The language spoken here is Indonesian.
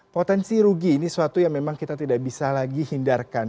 potensi rugi ini suatu yang memang kita tidak bisa lagi hindarkan